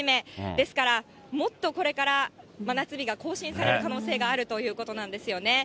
ですからもっとこれから真夏日が更新される可能性があるということなんですよね。